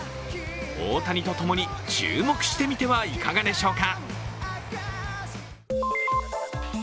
大谷と共に注目してみてはいかがでしょうか。